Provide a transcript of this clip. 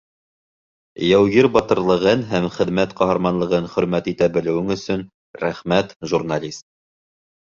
Яугир батырлығын һәм хеҙмәт ҡаһарманлығын хөрмәт итә белеүең өсөн рәхмәт, журналист.